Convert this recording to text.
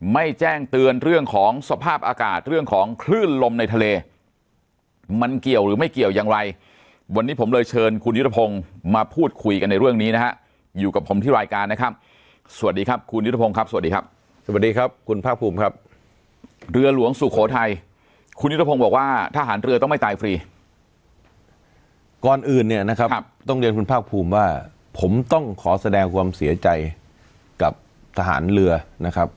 ไม่แจ้งเตือนเรื่องของสภาพอากาศเรื่องของคลื่นลมในทะเลมันเกี่ยวหรือไม่เกี่ยวอย่างไรวันนี้ผมเลยเชิญคุณยุทธพงศ์มาพูดคุยกันในเรื่องนี้นะครับอยู่กับผมที่รายการนะครับสวัสดีครับคุณยุทธพงศ์ครับสวัสดีครับสวัสดีครับคุณภาพภูมิครับเรือหลวงสุโขทัยคุณยุทธพงศ์บอกว่าทหารเรือต